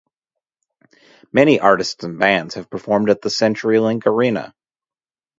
Many artists and bands have performed at the Century Link Arena.